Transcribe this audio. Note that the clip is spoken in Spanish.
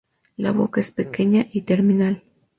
La boca es pequeña y terminal.